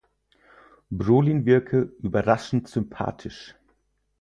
Brolin wirke "„überraschend sympathisch“".